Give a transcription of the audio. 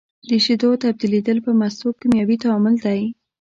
د شیدو تبدیلیدل په مستو کیمیاوي تعامل دی.